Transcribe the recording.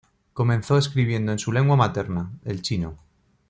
Comenzó escribiendo en su lengua materna, el chino.